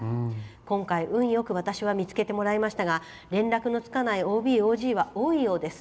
今回、運よく私は見つけてもらいましたが連絡のつかないＯＢ・ＯＧは多いようです。